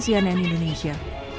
tim liputan cnn indonesia